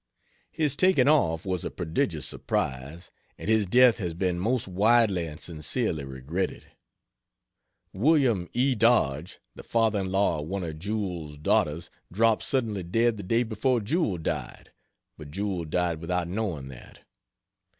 His taking off was a prodigious surprise, and his death has been most widely and sincerely regretted. Win. E. Dodge, the father in law of one of Jewell's daughters, dropped suddenly dead the day before Jewell died, but Jewell died without knowing that.